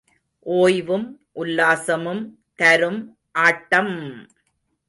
ஓய்வும் உல்லாசமும் தரும் ஆட்டம்!